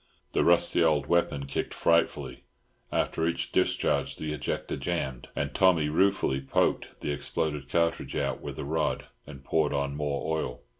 The rusty old weapon kicked frightfully, after each discharge the ejector jammed, and Tommy ruefully poked the exploded cartridge out with a rod and poured on more oil.